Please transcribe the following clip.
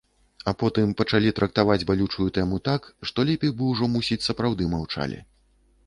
А потым пачалі трактаваць балючую тэму так, што лепей бы ўжо, мусіць, сапраўды маўчалі.